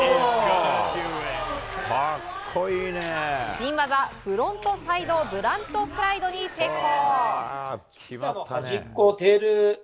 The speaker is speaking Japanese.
新技フロントサイドブラントスライドに成功。